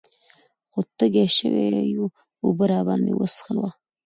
خو تږي شوي يو اوبۀ راباندې وڅښوه ـ